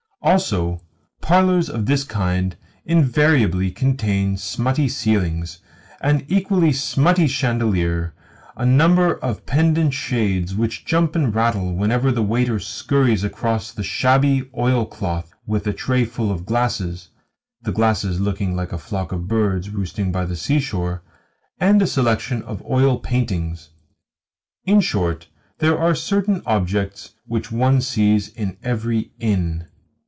Also, parlours of this kind invariably contain smutty ceilings, an equally smutty chandelier, a number of pendent shades which jump and rattle whenever the waiter scurries across the shabby oilcloth with a trayful of glasses (the glasses looking like a flock of birds roosting by the seashore), and a selection of oil paintings. In short, there are certain objects which one sees in every inn.